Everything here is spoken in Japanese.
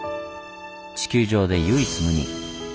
地球上で唯一無二。